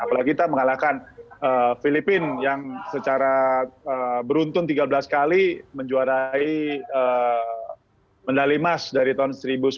apalagi kita mengalahkan filipina yang secara beruntun tiga belas kali menjuarai medali emas dari tahun seribu sembilan ratus sembilan puluh